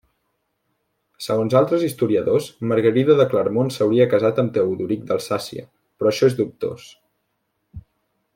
Segons altres historiadors Margarida de Clermont s'hauria casat amb Teodoric d'Alsàcia però això és dubtós.